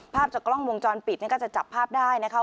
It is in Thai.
ภาพจากกล้องวงจรปิดนี่ก็จะจับภาพได้นะคะ